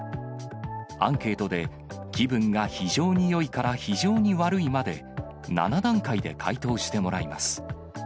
アンケートで、気分が非常によいから非常に悪いまで、７段階で回答してもらいます。